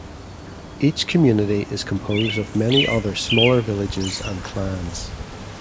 Each community is composed of many other smaller villages and clans.